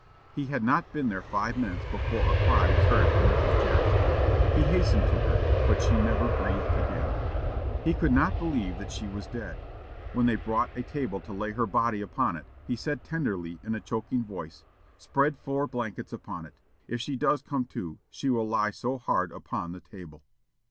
He had not been there five minutes before a cry was heard from Mrs. Jackson. He hastened to her, but she never breathed again. He could not believe that she was dead. When they brought a table to lay her body upon it, he said tenderly, in a choking voice, "Spread four blankets upon it. If she does come to, she will lie so hard upon the table."